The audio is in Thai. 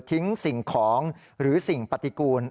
สิ่งของหรือสิ่งปฏิกูล